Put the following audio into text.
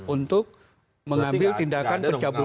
untuk mengambil tindakan pencabutan